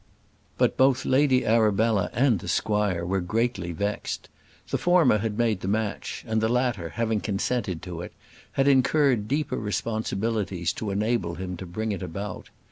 But both Lady Arabella and the squire were greatly vexed. The former had made the match, and the latter, having consented to it, had incurred deeper responsibilities to enable him to bring it about.